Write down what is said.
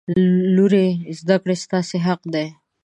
لورې! زده کړې ستاسې حق دی.